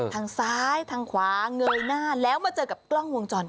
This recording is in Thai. ทางซ้ายทางขวาเงยหน้าแล้วมาเจอกับกล้องวงจรป